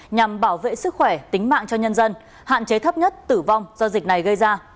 nhằm bảo vệ sức khỏe tính mạng cho nhân dân hạn chế thấp nhất tử vong do dịch này gây ra